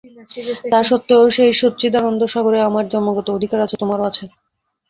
তা সত্ত্বেও সেই সচ্চিদানন্দ-সাগরে আমার জন্মগত অধিকার আছে, তোমারও আছে।